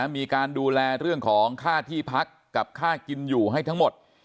มีการดูแลเรื่องของค่าที่พักกับค่ากินอยู่ให้ทั้งหมด